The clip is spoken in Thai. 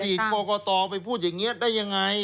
กรกตไปพูดอย่างนี้ได้ยังไง